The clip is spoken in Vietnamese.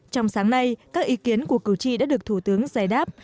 trong sáng nay các ý kiến của cử tri đã được thủ tướng giải đáp